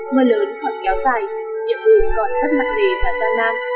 mưa lớn còn kéo dài nhiệm vụ còn rất mặt đề và gian nan